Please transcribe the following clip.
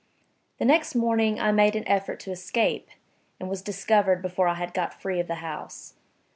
The next morning I made an effort to escape, and was discovered before I had got free of the house.